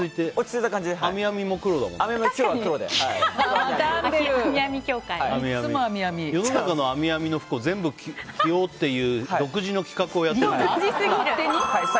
世の中の編み編みの服を全部着ようっていう独自の企画をやっている。